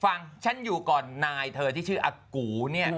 ฟังฉันอยู่ก่อนนายเธอที่ชื่ออากูเนี่ย